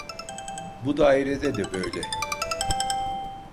Bu dairede de böyle: